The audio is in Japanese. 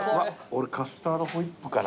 俺カスタードホイップかな。